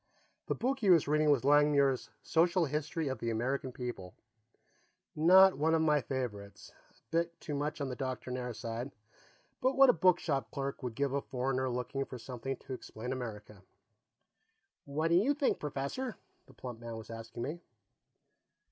The book he was reading was Langmuir's Social History of the American People not one of my favorites, a bit too much on the doctrinaire side, but what a bookshop clerk would give a foreigner looking for something to explain America. "What do you think, Professor?" the plump man was asking me.